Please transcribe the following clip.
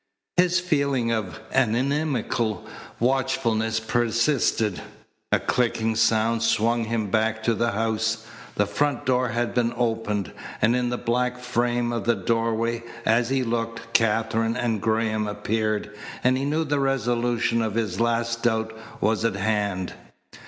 His feeling of an inimical watchfulness persisted. A clicking sound swung him back to the house. The front door had been opened, and in the black frame of the doorway, as he looked, Katherine and Graham appeared, and he knew the resolution of his last doubt was at hand.